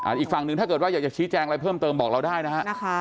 อีกฝั่งหนึ่งถ้าเกิดว่าอยากจะชี้แจงอะไรเพิ่มเติมบอกเราได้นะฮะ